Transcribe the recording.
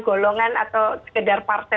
golongan atau sekedar partai